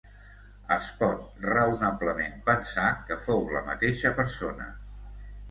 Es pot raonablement pensar que fou la mateixa persona.